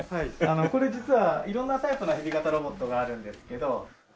これ実は色んなタイプのヘビ型ロボットがあるんですけど。